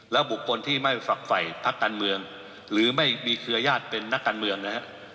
และบุคคลที่ไม่ฝักไฝ้ภัคดิ์การเมืองหรือไม่มีเครียดเป็นนักการเมืองนะครับ